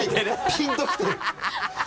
ピン！ときてる